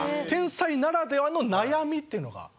天才ならではの悩みっていうのが。